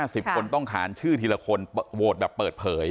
นี่๗๕๐คนต้องขารชื่อทีละคนโหวดแบบเปิดเผย